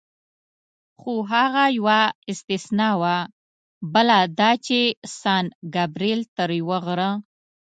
خو هغه یوه استثنا وه، بله دا چې سان ګبرېل تر یو غره.